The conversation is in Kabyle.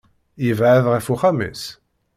Yebεed ɣef uxxam-is.